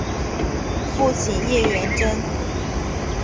父亲叶原贞。